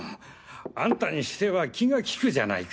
アンタにしては気が利くじゃないか。